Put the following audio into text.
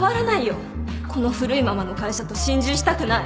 この古いままの会社と心中したくない